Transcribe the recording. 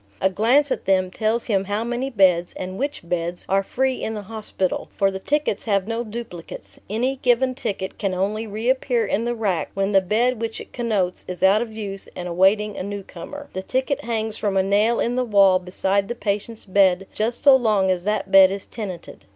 A glance at them tells him how many beds, and which beds, are free in the hospital; for the tickets have no duplicates; any given ticket can only reappear in the rack when the bed which it connotes is out of use and awaiting a newcomer; the ticket hangs from a nail in the wall beside the patient's bed just so long as that bed is tenanted.